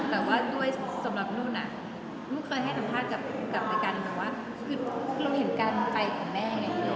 แต่ว่าด้วยสำหรับลูกมันเหนื่องเคยให้สัมพันธ์กับพี่หนุ่มคือเราเห็นการอมไกของแม่ไง